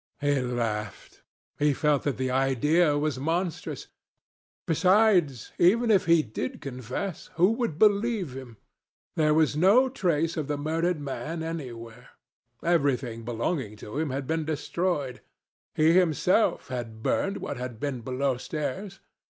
He laughed. He felt that the idea was monstrous. Besides, even if he did confess, who would believe him? There was no trace of the murdered man anywhere. Everything belonging to him had been destroyed. He himself had burned what had been below stairs.